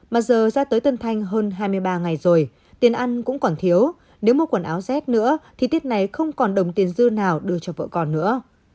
mà giờ ra tới tân thanh hơn hai mươi ba ngày rồi tiền ăn cũng còn thiếu nếu mua quần áo rét nữa thì tiết này không còn đồng tiền dư nào đưa cho vợ con nữa